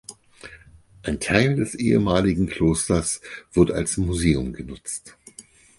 Ein Teil des ehemaligen Klosters wird als Museum genutzt.